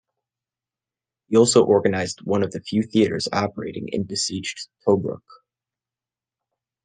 He also organized one of the few theaters operating in besieged Tobruk.